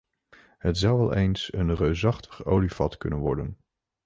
Het zou wel eens één reusachtig olievat kunnen worden.